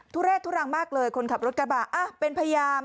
ทุเรศทุรังมากเลยคนขับรถกระบะ